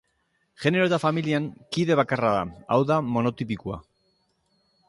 Genero eta familian kide bakarra da, hau da, monotipikoa.